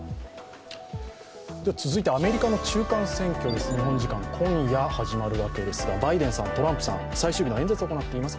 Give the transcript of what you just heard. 続いて、アメリカの中間選挙です日本時間今夜、始まるわけですがバイデンさん、トランプさん、最終日の演説を行っています。